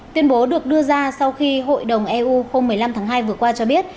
tuyên bố được đưa ra sau khi hội đồng eu hôm một mươi năm tháng hai vừa qua cho biết